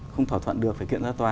không thỏa thuận được phải kiện ra tòa